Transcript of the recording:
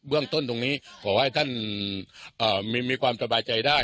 เรื่องต้นตรงนี้ขอให้ท่านมีความสบายใจได้